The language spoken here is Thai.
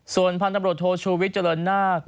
ส่วนพันธุ์ดโทชวิคจรณนทร์